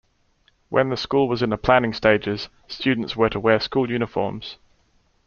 When the school was in the planning stages, students were to wear school uniforms.